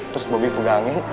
terus bobby pegangin